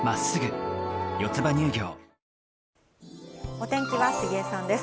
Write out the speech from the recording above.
お天気は杉江さんです。